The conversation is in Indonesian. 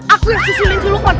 aku yang susilin si lukman